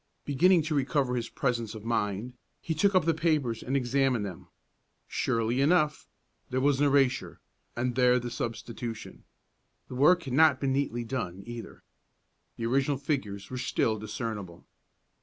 Beginning to recover his presence of mind, he took up the papers and examined them. Surely enough, there was the erasure, and there the substitution. The work had not been neatly done, either. The original figures were still discernible.